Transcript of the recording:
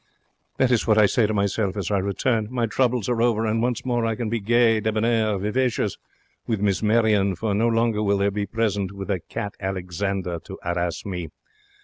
That is what I say to myself as I return. My troubles are over, and once more I can be gay, debonair, vivacious with Miss Marion, for no longer will there be present the cat Alexander to 'arass me.